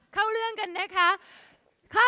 เข้าเรื่องกันนะคะ